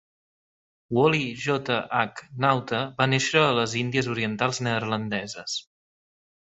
Walle J. H. Nauta va néixer a les Índies Orientals Neerlandeses.